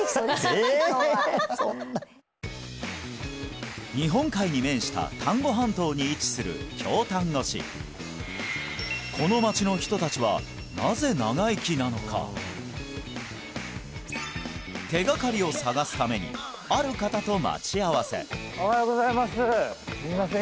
今日は日本海に面した丹後半島に位置する京丹後市手がかりを探すためにある方と待ち合わせおはようございますすいません